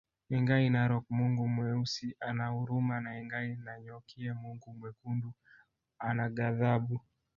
Engai Narok Mungu Mweusi ana huruma na Engai Nanyokie Mungu Mwekundu ana ghadhabu